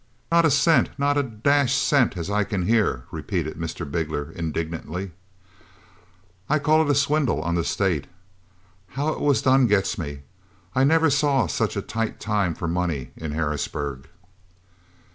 "Not a cent, not a dash cent, as I can hear," repeated Mr. Bigler, indignantly. "I call it a swindle on the state. How it was done gets me. I never saw such a tight time for money in Harrisburg."